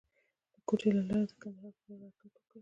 د کوټې له لارې د کندهار پر لور حرکت وکړ.